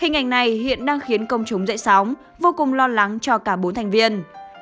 hình ảnh này hiện đang khiến công chúng dậy sóng vô cùng lo lắng cho cả bốn thành viên